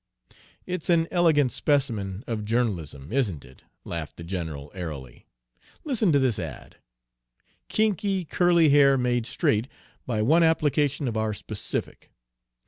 "It's an elegant specimen of journalism, isn't it?" laughed the general, airily. "Listen to this 'ad': "'Kinky, curly hair made straight by one application of our specific.